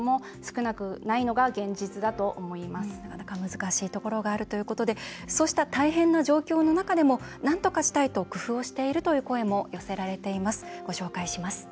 なかなか難しいところがあるということでそうした大変な状況の中でも何とかしたいと工夫をしているという声も寄せられています。